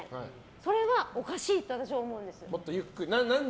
それはおかしいって私は思うんです。